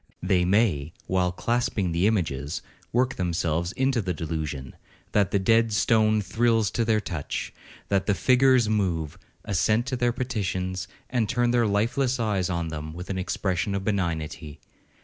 They may, while clasping the images, work themselves into the delusion, that the dead stone thrills to their touch; that the figures move, assent to their petitions, and turn their lifeless eyes on them with an expression of benignity.